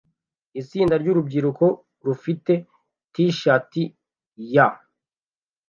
Itsinda ryurubyiruko rufite t-shati year